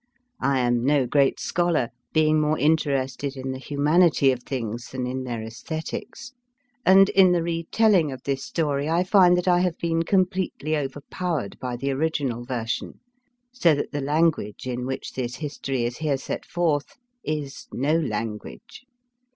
I am no great scholar, being more interested in the humanity of things than in their aes thetics ; and, in the retelling of this story, I find that I have been completely over powered by the original version, so that the language in which this history is here set forth is no language.